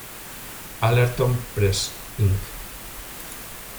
Allerton Press, Inc.